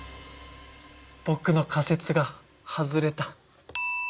僕の仮説が外れた。